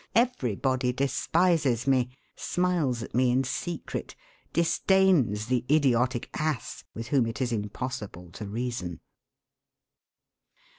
Everybody despises me, smiles at me in secret, disdains the idiotic ass with whom it is impossible to reason.'